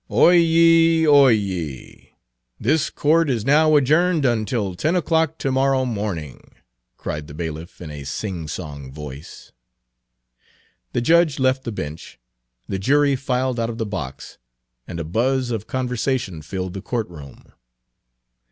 "Oyez, oyez! this court is now adjourned until ten o'clock to morrow morning," cried the bailiff in a singsong voice. The judge left the bench, the jury filed out of the box, and a buzz of conversation filled the court room.